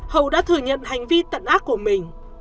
hậu đã thừa nhận hành vi tận ác của mình